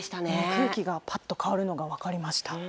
空気がパッと変わるのが分かりました。